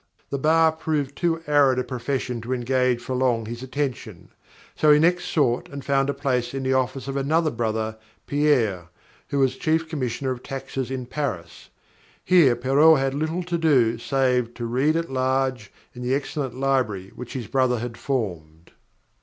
The Bar proved too arid a profession to engage for long his attention; so he next sought and found a place in the office of another brother, Pierre, who was Chief Commissioner of Taxes in Paris. Here Perrault had little to do save to read at large in the excellent library which his brother had formed.